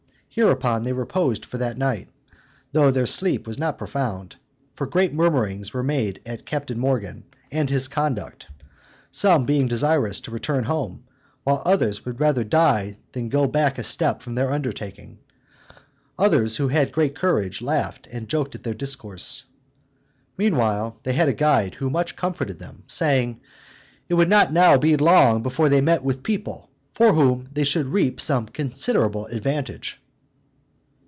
Hereupon they reposed for that night, though their sleep was not profound; for great murmurings were made at Captain Morgan, and his conduct; some being desirous to return home, while others would rather die there than go back a step from their undertaking: others, who had greater courage, laughed and joked at their discourses. Meanwhile, they had a guide who much comforted them, saying, "It would not now be long before they met with people from whom they should reap some considerable advantage."